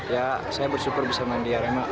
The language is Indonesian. ya saya bersyukur bisa main di arema